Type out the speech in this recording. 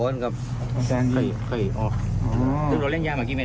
เวลาเราได้เปิด